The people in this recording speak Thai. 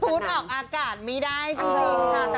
พูดออกอากาศไม่ได้จริงค่ะ